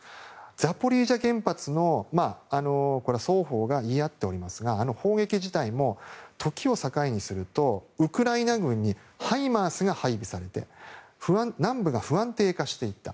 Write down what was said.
ザポリージャ原発の、これは双方が言い合っておりますが砲撃自体も時を境にするとウクライナ軍にハイマースが配備されて南部が不安定化していた。